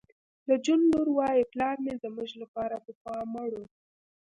د جون لور وایی پلار مې زموږ لپاره پخوا مړ و